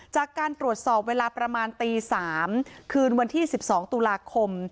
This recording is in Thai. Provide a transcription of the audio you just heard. จากการตรวจสอบเวลาประมาณตี๓คืนวันที่๑๒ตุลาคม